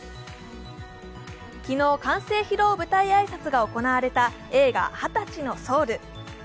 昨日、完成披露舞台挨拶が行われた映画「２０歳のソウル」。